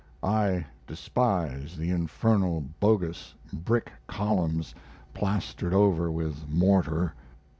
I despise the infernal bogus brick columns plastered over with mortar.